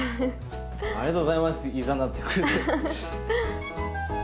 ありがとうございますいざなってくれて。